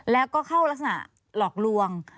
แล้วก็เข้ารักษณะหลอกลวง